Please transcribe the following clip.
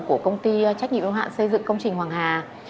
của công ty trách nhiệm ưu hạn xây dựng công trình hoàng hà